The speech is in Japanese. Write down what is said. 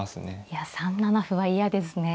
いや３七歩は嫌ですね。